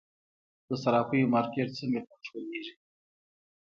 د صرافیو مارکیټ څنګه کنټرولیږي؟